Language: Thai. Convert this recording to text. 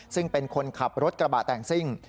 ซึ่งเป็นคนขับรถกระบะแต่งซิ่ง